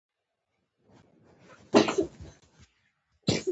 یو چا به ورته ویل راشه راسره معلومه یې کړه.